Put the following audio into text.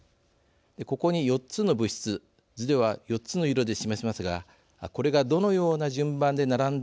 ここに４つの物質図では４つの色で示しますがこれがどのような順番で並んでいるか